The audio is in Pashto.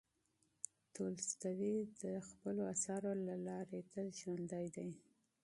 تولستوی د خپلو اثارو له لارې تل ژوندی دی.